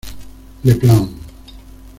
Le Plan